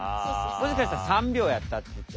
もしかしたら３秒やったっていって。